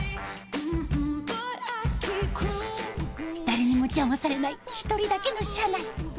誰にも邪魔されない１人だけの車内。